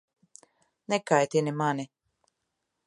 Nekaitini mani!